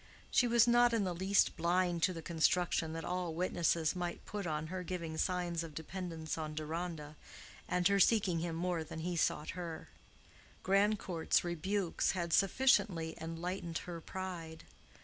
She was not in the least blind to the construction that all witnesses might put on her giving signs of dependence on Deronda, and her seeking him more than he sought her: Grandcourt's rebukes had sufficiently enlightened her pride.